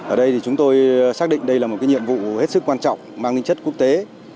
ở đây thì chúng tôi xác định đây là một nhiệm vụ hết sức quan trọng mang ninh chất quốc tế